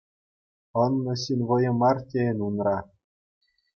Ӑннӑ ҫын вӑйӗ мар тейӗн унра.